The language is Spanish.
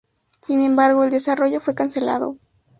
Sin embargo, el desarrollo fue cancelado.